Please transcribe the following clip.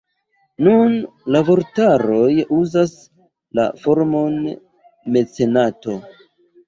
Nun la vortaroj uzas la formon mecenato.